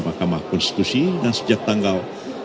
makamah konstitusi dan sejak tanggal